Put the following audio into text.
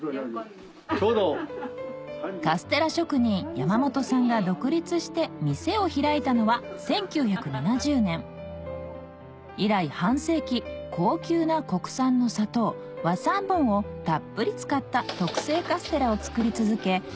カステラ職人山本さんが独立して店を開いたのは１９７０年以来半世紀高級な国産の砂糖和三盆をたっぷり使った特製カステラを作り続け